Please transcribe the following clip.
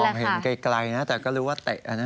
บอกเห็นไกลนะแต่ก็รู้ว่าเตะอันนั้น